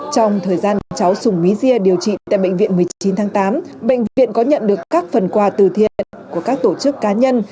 trong thời gian cháu sùng bí diê điều trị tại bệnh viện một mươi chín tháng tám bệnh viện có nhận được các phần quà từ thiện của các tổ chức cá nhân